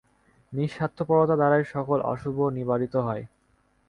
নিঃস্বার্থপরতা দ্বারাই সকল অশুভ নিবারিত হয়।